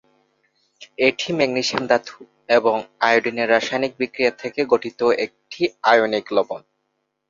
এটি ম্যাগনেসিয়াম ধাতু এবং আয়োডিনের রাসায়নিক বিক্রিয়া থেকে গঠিত একটি আয়নিক লবণ।